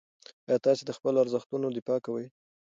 آیا تاسې د خپلو ارزښتونو دفاع کوئ؟